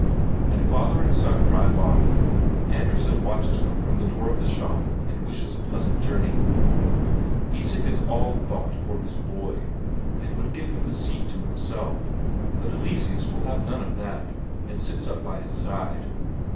And father and son drive off. Andresen watches them from the door of the shop and wishes a pleasant journey. Isak is all thought for his boy, and would give him the seat to himself; but Eleseus will have none of that, and 'sits up by his side.